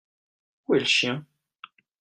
Où est le chien ?